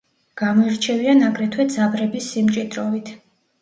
გამოირჩევიან აგრეთვე ძაბრების სიმჭიდროვით.